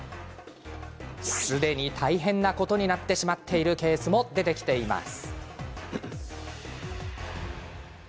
すでに大変なことになってしまっているケースも出てきています。